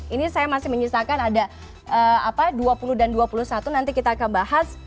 ini saya masih menyisakan ada dua puluh dan dua puluh satu nanti kita akan bahas